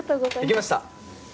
できました。